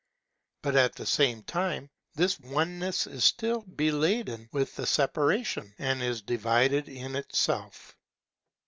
But at the same time this oneness is still beladen with the separation, and is divided in itself.